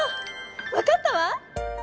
わかったわ！